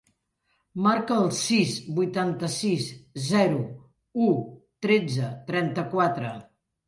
Marca el sis, vuitanta-sis, zero, u, tretze, trenta-quatre.